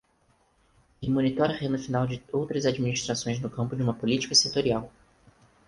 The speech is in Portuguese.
Ele monitora a renda final de outras administrações no campo de uma política setorial.